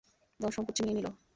ধনসম্পদ ছিনিয়ে নিল।